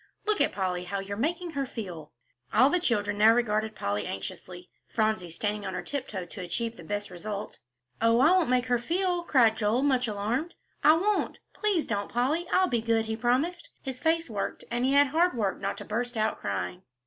Look at Polly, how you're making her feel." All the children now regarded Polly anxiously, Phronsie standing on tiptoe to achieve the best result. "Oh, I won't make her feel," cried Joel, much alarmed, "I won't. Please don't, Polly; I'll be good," he promised. His face worked, and he had hard work not to burst out crying.